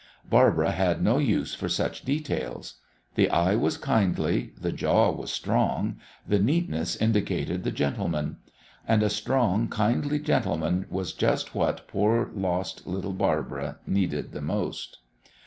Barbara had no use for such details. The eye was kindly, the jaw was strong, the neatness indicated the gentleman. And a strong, kindly gentleman was just what poor little lost Barbara needed the most.